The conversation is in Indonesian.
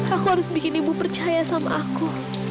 aku harus membuat ibu percaya pada aku